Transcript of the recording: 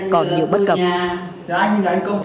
còn nhiều bất cập